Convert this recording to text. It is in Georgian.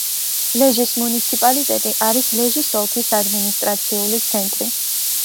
ლეჟის მუნიციპალიტეტი არის ლეჟის ოლქის ადმინისტრაციული ცენტრი.